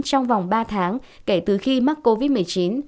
trong vòng ba tháng kể từ khi mắc covid một mươi chín